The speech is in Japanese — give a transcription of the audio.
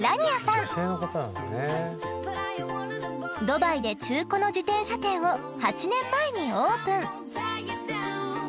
ドバイで中古の自転車店を８年前にオープン。